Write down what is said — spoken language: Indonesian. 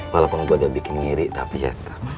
walaupun gue udah bikin ngiri tapi ya